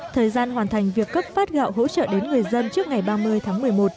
thời gian hoàn thành việc cấp phát gạo hỗ trợ đến người dân trước ngày ba mươi tháng một mươi một